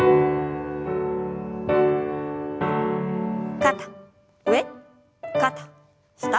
肩上肩下。